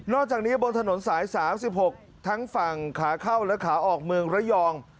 จากนี้บนถนนสาย๓๖ทั้งฝั่งขาเข้าและขาออกเมืองระยอง